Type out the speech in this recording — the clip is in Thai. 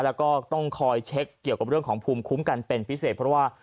แล้วก็ต้องคอยเช็คเกี่ยวกับเรื่องของภูมิคุ้มกันเป็นพิเศษเพราะว่า